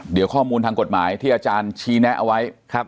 เดี๋ยวข้อมูลทางกฎหมายที่อาจารย์ชี้แนะเอาไว้